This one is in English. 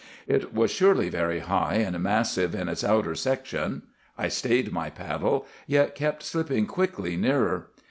It was surely very high and massive in its outer section! I stayed my paddle, yet kept slipping quickly nearer.